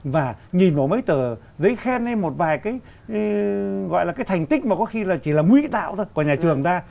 và nhìn vào mấy tờ giấy khen hay một vài cái gọi là cái thành tích mà có khi chỉ là nguy tạo thôi của nhà trường ta